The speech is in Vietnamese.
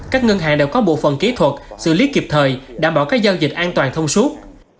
các ngân hàng đều có bộ phần kỹ thuật xử lý kịp thời đảm bảo các giao dịch an toàn thông suốt